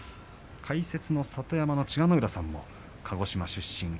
解説の里山の千賀ノ浦さんも鹿児島出身です。